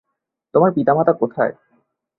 তোমার পিতামাতা কোথায়?